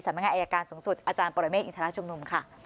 นักงานอายการสูงสุดอาจารย์ปรเมฆอินทรชุมนุมค่ะ